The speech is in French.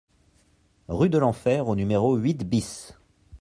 Rue de l'Enfer au numéro huit BIS